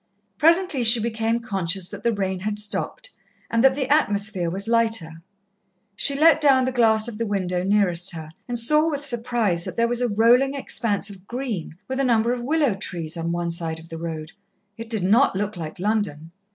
Presently she became conscious that the rain had stopped, and that the atmosphere was lighter. She let down the glass of the window nearest her, and saw, with surprise, that there was a rolling expanse of green, with a number of willow trees, on one side of the road. It did not look like London.